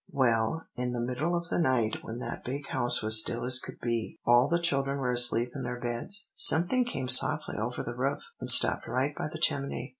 "Well, in the middle of the night when that big house was still as could be, all the children were asleep in their beds, something came softly over the roof, and stopped right by the chimney.